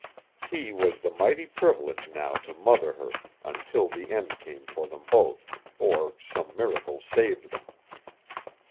His was the mighty privilege now to mother her until the end came for them both or some miracle saved them.